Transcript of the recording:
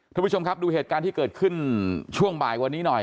ทุกผู้ชมครับดูเหตุการณ์ที่เกิดขึ้นช่วงบ่ายวันนี้หน่อย